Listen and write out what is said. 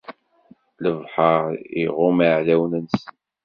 Lebḥer iɣumm iɛdawen-nsen.